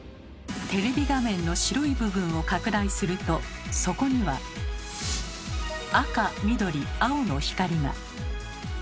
テレビ画面の白い部分を拡大するとそこには赤緑青の光が。